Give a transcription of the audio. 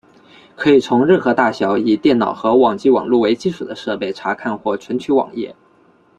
可以从任何大小以电脑和网际网路为基础的设备查看或存取网页。